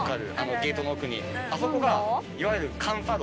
ゲートの奥にあそこがいわゆる。